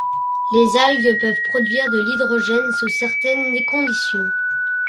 Les algues peuvent produire de l'hydrogène sous certaines conditions.